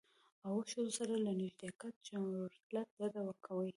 او اوس ښځو سره له نږدیکته چورلټ ډډه کوي.